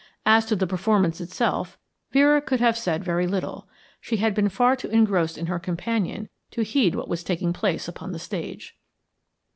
As to the performance itself, Vera could have said very little. She had been far too engrossed in her companion to heed what was taking place upon the stage.